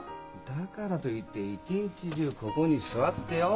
だからといって一日中ここに座ってよ